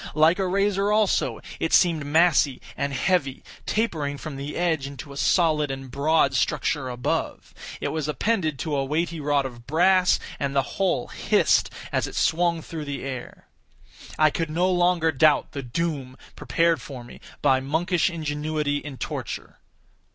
Like a razor also, it seemed massy and heavy, tapering from the edge into a solid and broad structure above. It was appended to a weighty rod of brass, and the whole hissed as it swung through the air. I could no longer doubt the doom prepared for me by monkish ingenuity in torture.